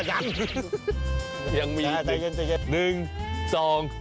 ยังมีใจเย็น